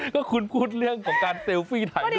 ก็คุณพูดเรื่องของการเซลฟี่ถ่ายรูป